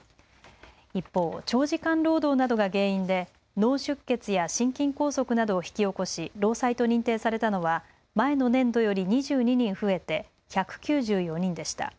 一方、長時間労働などが原因で脳出血や心筋梗塞などを引き起こし、労災と認定されたのは前の年度より２２人増えて１９４人でした。